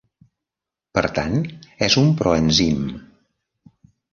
Per tant, és un proenzim.